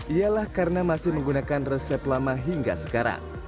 ialah karena masih menggunakan resep lainnya